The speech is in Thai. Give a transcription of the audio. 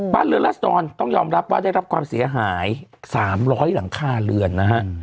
บ้านเรือนรัศดรต้องยอมรับว่าได้รับความเสียหาย๓๐๐หลังคาเรือนนะฮะ